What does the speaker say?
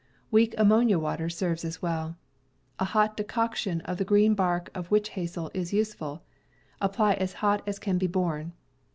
Weak ammonia water serves as well. A hot decoction of the green bark of witch hazel is useful; apply as ACCIDENTS 311 hot as can be borne.